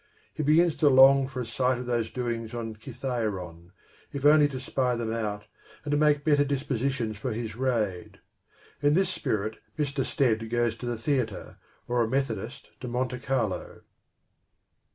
He begins to long for a sight of those doings on Kithairon, if only to spy them out and to make better dispositions for his raid. In this spirit Mr. Stead goes to the theatre, or a Methodist to Monte Carlo.